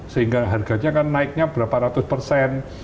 sehingga harganya kan naiknya berapa ratus persen